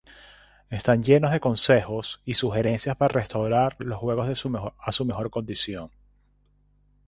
Están llenos de consejos y sugerencias para restaurar los juegos a su mejor condición.